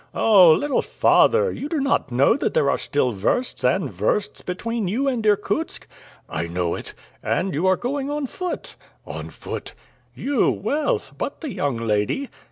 "Oh! little father, you do not know that there are still versts and versts between you and Irkutsk?" "I know it." "And you are going on foot?" "On foot." "You, well! but the young lady?"